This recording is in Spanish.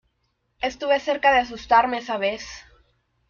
Estuve cerca de asustarme esa vez.